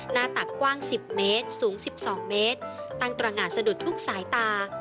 หน้าตักกว้าง๑๐เมตรสูง๑๒เมตรตั้งตรงานสะดุดทุกสายตา